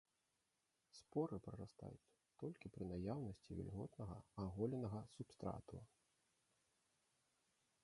Споры прарастаюць толькі пры наяўнасці вільготнага аголенага субстрату.